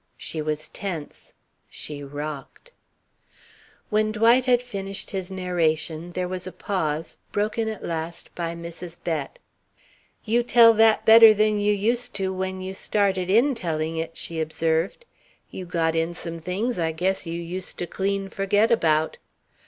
She was tense. She rocked. When Dwight had finished his narration, there was a pause, broken at last by Mrs. Bett: "You tell that better than you used to when you started in telling it," she observed. "You got in some things I guess you used to clean forget about.